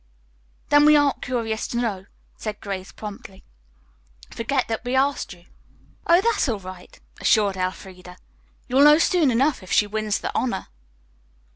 "Then we aren't curious to know," said Grace promptly. "Forget that we asked you." "Oh, that's all right," assured Elfreda. "You'll know soon enough if she wins the honor."